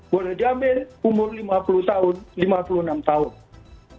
boleh diambil umur lima puluh tahun lima puluh enam tahun